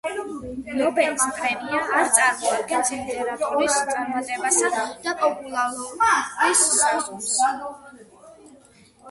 ნობელის პრემია არ წარმოადგენს ლიტერატორის წარმატებისა და პოპულარობის საზომს.